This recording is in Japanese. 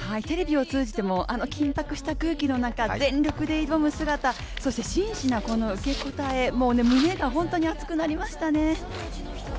テレビを通じても、あの緊迫した空気の中、全力で挑む姿、そして真摯な受け答え、胸が本当に熱くなりましたね。